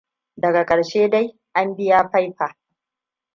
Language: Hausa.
Daga ƙarshe dai an biya piper.